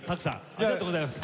ありがとうございます。